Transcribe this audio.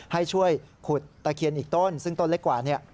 ให้ช่วยขุดตะเคียนอีกต้นซึ่งต้นเล็กกว่าเนี่ย